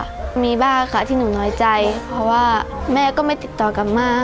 ก็มีบ้างค่ะที่หนูน้อยใจเพราะว่าแม่ก็ไม่ติดต่อกลับมา